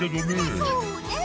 そうねえ。